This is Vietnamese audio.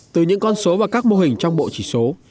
từ những con số và các mô hình trong bộ chỉ số